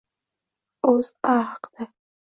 O‘zA haqida